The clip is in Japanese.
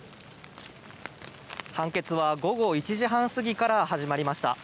判決は午後１時半過ぎから始まりました。